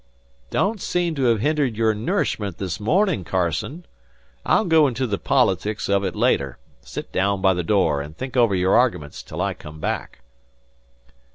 "Don't seem to have hindered your nourishment this morning, Carsen. I'll go into the politics of it later. Sit down by the door and think over your arguments till I come back."